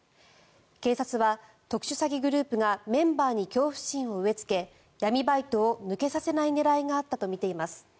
警察は、特殊詐欺グループがメンバーに恐怖心を植えつけ闇バイトを抜けさせない狙いがあったとみています。